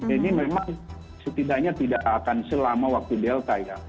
ini memang setidaknya tidak akan selama waktu delta ya